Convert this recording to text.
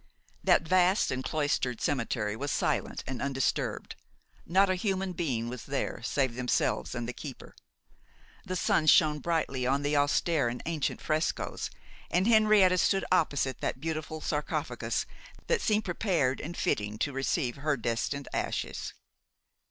That vast and cloistered cemetery was silent and undisturbed; not a human being was there, save themselves and the keeper. The sun shone brightly on the austere and ancient frescoes, and Henrietta stood opposite that beautiful sarcophagus, that seemed prepared and fitting to receive her destined ashes.